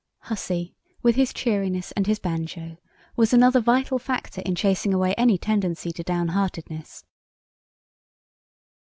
Hussey, with his cheeriness and his banjo, was another vital factor in chasing away any tendency to downheartedness.